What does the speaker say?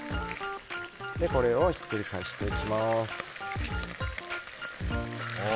これをひっくり返していきます。